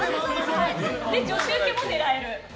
女子ウケも狙える。